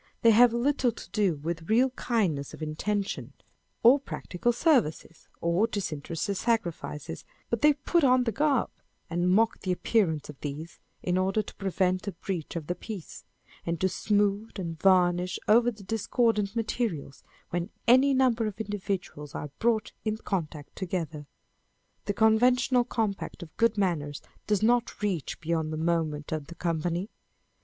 They have little to do with real kindness of intention, or On the Loolc of a Gentleman. 305 practical services, or disinterested sacrifices ; but they put on the garb, and mock the appearance of these, in order to prevent a breach of the peace, and to smooth and varnish over the discordant materials, when any number of individuals are brought in contact together. The con ventional compact, of good manners does not reach, beyond the moment and the company.